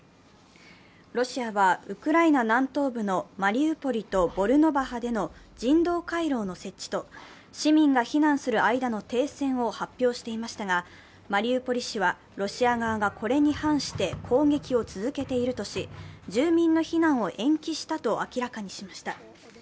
ロシアは、ウクライナ南東部のマリウポリとボルノバハでの人道回廊の設置と市民が避難する間の停戦を発表していましたがマリウポリ市はロシア側がこれに反して攻撃を続けているとし、住民の避難を延期したと明らかにしました。